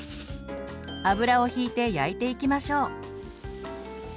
油をひいて焼いていきましょう。